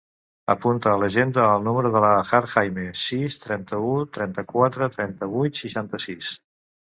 Apunta a l'agenda el número de la Hajar Jaime: sis, trenta-u, trenta-quatre, trenta-vuit, seixanta-sis.